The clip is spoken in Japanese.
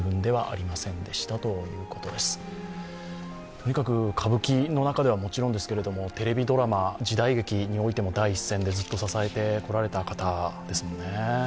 とにかく歌舞伎の中ではもちろんですけどテレビドラマ、時代劇においても第一線でずっと支えてこられた方ですもんね。